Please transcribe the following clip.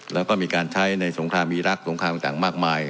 แล้วก็มีการใช้ในสงครามมีรักสงครามต่างมากมาย